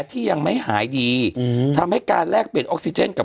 คือคือคือคือคือคือ